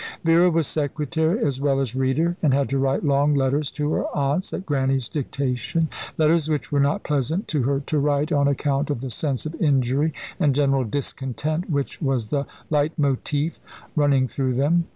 Vera was secretary as well as reader, and had to write long letters to her aunts, at Grannie's dictation; letters which were not pleasant to her to write on account of the sense of injury and general discontent which was the Leit Motiv running through them.